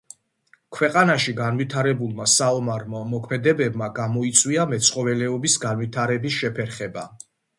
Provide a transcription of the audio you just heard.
ქვეყანაში განვითარებულმა საომარმა მოქმედებებმა გამოიწვია მეცხოველეობის განვითარების შეფერხება.